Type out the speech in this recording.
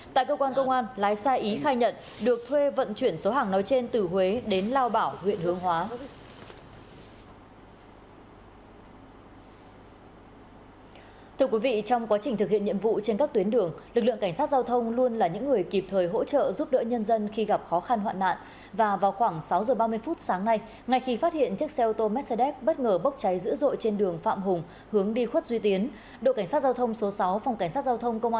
tại cơ quan công an lái xe ý khai nhận được thuê vận chuyển số hàng nói trên từ huế đến lao bảo huyện hướng hóa